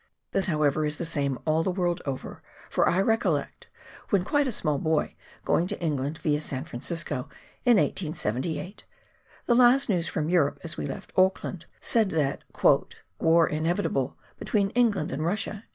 This, however, is the same all the world over, for I recollect, when quite a small boy, going to England rid San Francisco, in 1878 ; the last news from Europe, as we left Aukland, said that " War inevitable between England and Russia."